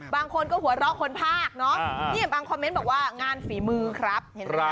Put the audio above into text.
บางคนก็หัวเราะคนพากเนาะบางคอมเม้นต์บอกว่างานฝีมือครับ